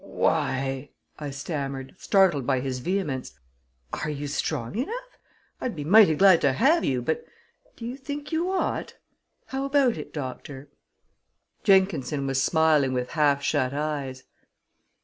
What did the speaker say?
"Why," I stammered, startled by his vehemence, "are you strong enough? I'd be mighty glad to have you, but do you think you ought? How about it, doctor?" Jenkinson was smiling with half shut eyes.